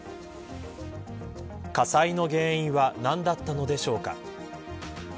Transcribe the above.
火災の原因は何だったのでしょうか。